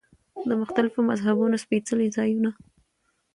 د مختلفو مذهبونو سپېڅلي ځایونه.